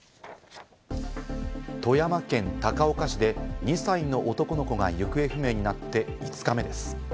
富山県高岡市で２歳の男の子が行方不明になって５日目です。